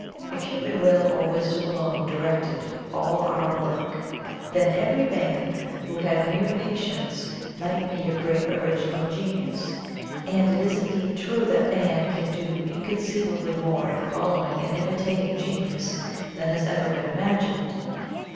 If human Will or Wisdom alone directed all our work, then every man who had mere patience might be a great original genius, and it is indeed true that Man can do inconceivably more in following and imitating genius than has ever been imagined.